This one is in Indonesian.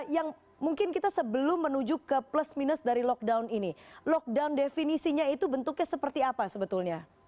yang mungkin kita sebelum menuju ke plus minus dari lockdown ini lockdown definisinya itu bentuknya seperti apa sebetulnya